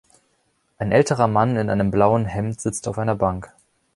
Ein älterer Mann in einem blauen Hemd sitzt auf einer Bank.